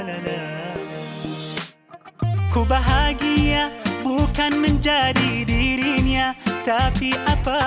aku bahagia bukan menjadi dirinya tapi apa